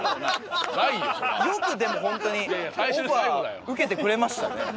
よくでもホントにオファー受けてくれましたね。